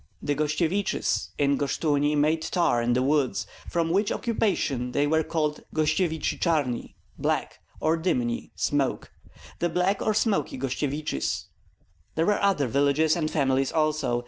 The Gostsyeviches in Goshchuni made tar in the woods, from which occupation they were called Gostsyevichi Charni (Black) or Dymni (Smoky), the Black or Smoky Gostsyeviches. There were other villages and families also.